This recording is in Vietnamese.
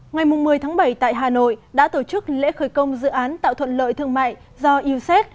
ngày một mươi tháng bảy tại hà nội đã tổ chức lễ khởi công dự án tạo thuận lợi thương mại do used